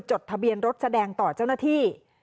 จดทะเบียนรถแสดงต่อเจ้าหน้าที่